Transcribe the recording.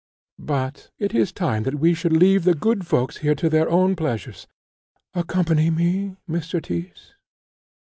But it is time that we should leave the good folks here to their own pleasures. Accompany me, Mr. Tyss."